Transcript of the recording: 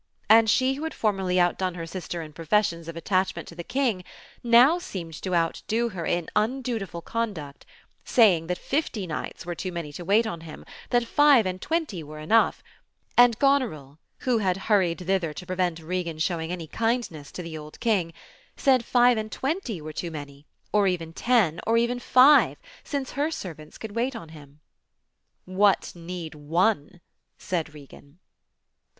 And she who had formerly outdone her sister in professions of attachment to the King, now seemed to outdo her in undutiful conduct, saying that fifty knights were too many to wait on him, that five and twenty were enough, and Gonerit (who had hurried thither to prevent Regan showing any kindness to the old King) said five and twenty were too many, or even ten, or even five, since her servants could wait on him. "What need one?" said Regan.